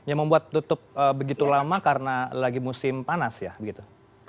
yang membuat tutup begitu lama karena lagi musim panas ya begitu